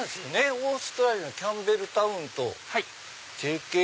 オーストラリアのキャンベルタウンと提携して。